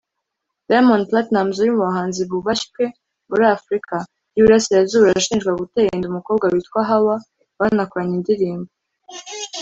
Diamond Platnumz uri mu bahanzi bubashywe muri Afurika y’Iburasirazuba arashinjwa gutera inda umukobwa witwa Hawa banakoranye indirimbo